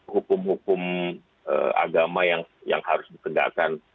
hukum hukum agama yang harus ditegakkan